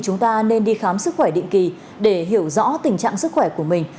chúng ta nên đi khám sức khỏe định kỳ để hiểu rõ tình trạng sức khỏe của mình